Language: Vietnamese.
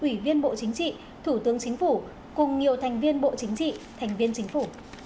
ủy viên bộ chính trị thủ tướng chính phủ cùng nhiều thành viên bộ chính trị thành viên chính phủ